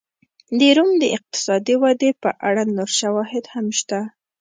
د روم د اقتصادي ودې په اړه نور شواهد هم شته